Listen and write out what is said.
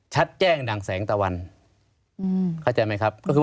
ชัดแจ้งดั่งแสงตะวันเข้าใจไหมครับก็คือ